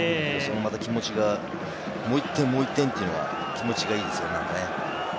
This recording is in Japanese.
そこも気持ちがもう１点、もう１点というのが気持ちがいいですね。